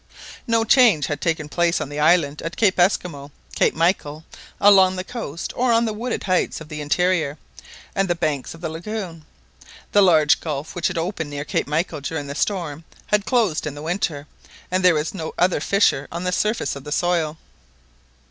No change had taken place on the island at Cape Esquimaux, Cape Michael, along the coast, or on the wooded heights of the interior, and the banks of the lagoon. The large gulf which had opened near Cape Michael during the storm had closed in the winter, and there was no other fissure on the surface of the soil.